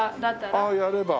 ああやれば。